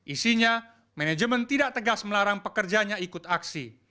isinya manajemen tidak tegas melarang pekerjanya ikut aksi